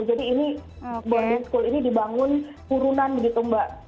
jadi ini boarding school ini dibangun kurunan begitu mbak